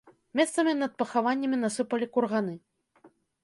Месцамі над пахаваннямі насыпалі курганы.